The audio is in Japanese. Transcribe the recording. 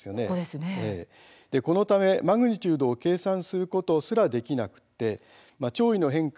このためマグニチュードを計算することすらできなくて潮位の変化